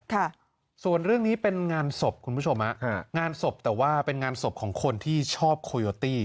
ค่ะส่วนเรื่องนี้เป็นงานศพคุณผู้ชมฮะงานศพแต่ว่าเป็นงานศพของคนที่ชอบโคโยตี้